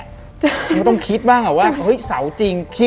ก็ต้องคิดบ้างว่าเฮ้ยเสาจริง